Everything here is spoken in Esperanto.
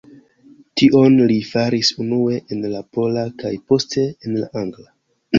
Tion li faris unue en la pola, kaj poste en la angla.